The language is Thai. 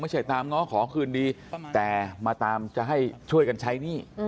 ตามง้อขอคืนดีแต่มาตามจะให้ช่วยกันใช้หนี้